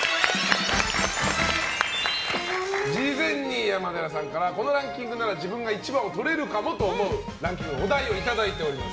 事前に山寺さんからこのランキングなら１番をとれるかもと思うランキングのお題をいただいております。